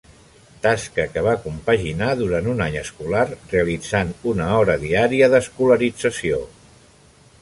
Tasca que va compaginar durant un any escolar realitzant una hora diària d'escolarització.